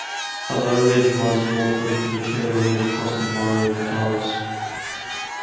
A low ridge runs northward from the crater rim across the Mare Nectaris.